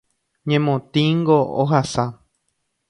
Ñemotĩngo ohasa.